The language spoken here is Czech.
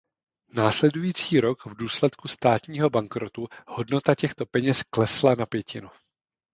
Následující rok v důsledku státního bankrotu hodnota těchto peněz klesla na pětinu.